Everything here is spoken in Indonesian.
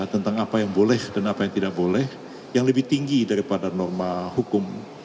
tentang apa yang boleh dan apa yang tidak boleh yang lebih tinggi daripada norma hukum